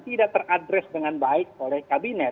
tidak teradres dengan baik oleh kabinet